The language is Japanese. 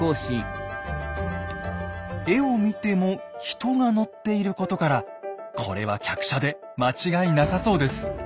絵を見ても人が乗っていることからこれは客車で間違いなさそうです。